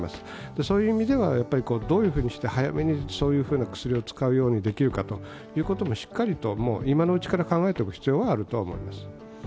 そういう意味ではどういうふうにして早めにそういう薬を使えるようにできるかということをしっかりと今のうちから考えておく必要はあると思います。